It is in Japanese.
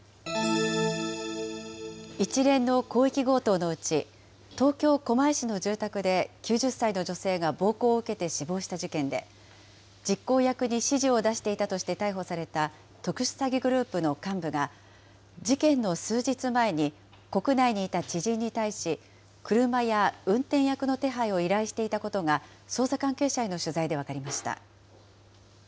一連の広域強盗のうち、東京・狛江市の住宅で９０歳の女性が暴行を受けて死亡した事件で、実行役に指示を出していたとして逮捕された特殊詐欺グループの幹部が、事件の数日前に国内にいた知人に対し、車や運転役の手配を依頼していたことが、捜査関係者への取材で分かりました。